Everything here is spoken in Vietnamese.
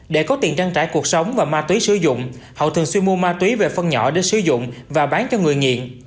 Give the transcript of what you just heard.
để có tiền trang trải cuộc sống và ma túy sử dụng hậu thường xuyên mua ma túy về phân nhỏ để sử dụng và bán cho người nghiện